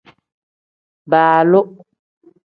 Baaloo.